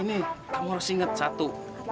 ini kamu harus ingat satu